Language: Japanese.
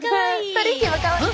トリンキーもかわいい。